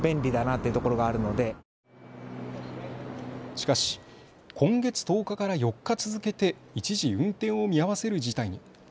しかし、今月１０日から４日続けて一時、運転を見合わせる事態に。